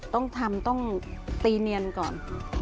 ต้องทำต้องตีเนียนก่อน